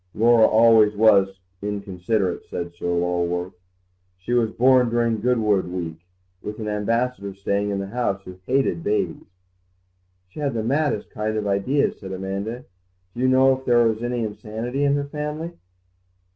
"Laura always was inconsiderate," said Sir Lulworth; "she was born during Goodwood week, with an Ambassador staying in the house who hated babies." "She had the maddest kind of ideas," said Amanda; "do you know if there was any insanity in her family?"